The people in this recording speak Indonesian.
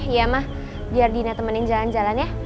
iya mah biar dina temenin jalan jalan ya